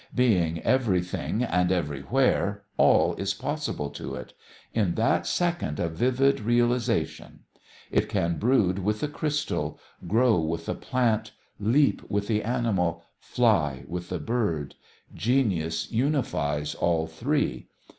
Being everything and everywhere, all is possible to it in that second of vivid realisation. It can brood with the crystal, grow with the plant, leap with the animal, fly with the bird: genius unifies all three.